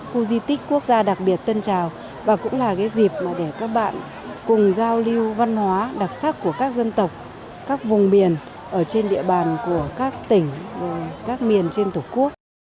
khu di tích quốc gia đặc biệt tân trào và cũng là cái dịp để các bạn cùng giao lưu văn hóa đặc sắc của các dân tộc các vùng miền ở trên địa bàn của các tỉnh các miền trên tổ quốc